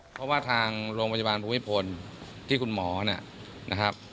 เพราะว่าทางโรงพยาบาลภูมิพลที่คุณหมอนะครับ